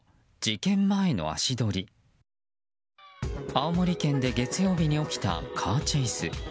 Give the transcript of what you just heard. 青森県で月曜日に起きたカーチェイス。